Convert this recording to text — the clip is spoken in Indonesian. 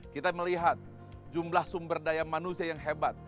kita melihat jumlah sumber daya manusia yang hebat